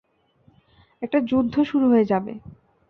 একটা যুদ্ধ শুরু হয়ে যাবে।